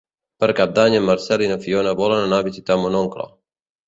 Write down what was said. Per Cap d'Any en Marcel i na Fiona volen anar a visitar mon oncle.